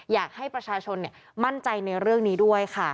อยากให้ประชาชนมั่นใจในเรื่องนี้ด้วยค่ะ